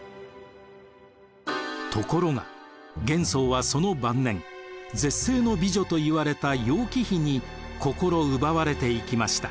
ところが玄宗はその晩年絶世の美女といわれた楊貴妃に心奪われていきました。